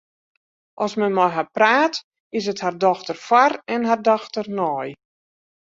As men mei har praat, is it har dochter foar en har dochter nei.